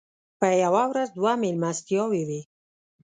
په یوه ورځ دوه مېلمستیاوې وې.